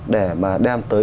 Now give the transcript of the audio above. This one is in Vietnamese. để mà đem tới